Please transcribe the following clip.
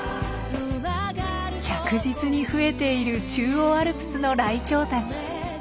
着実に増えている中央アルプスのライチョウたち。